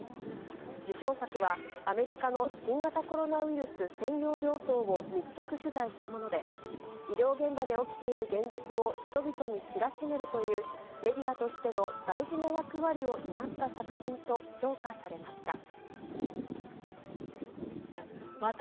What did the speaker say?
受賞作は、アメリカの新型コロナウイルス専用病棟を密着取材したもので、医療現場で起きている現実を人々に知らしめるという、メディアとしての大事な役割を担った作品と評価されました。